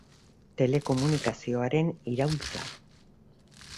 Telekomunikazioaren iraultza.